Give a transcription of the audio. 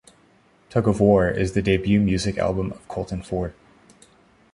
Tug of War is the debut music album of Colton Ford.